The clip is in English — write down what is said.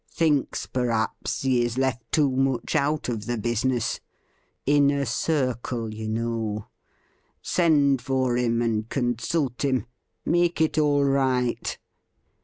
Thinks, perhaps, he is left too much out of the business — inner 298 THE RIDDLE RING circle, you know. Send for him and consult him — make it all right.'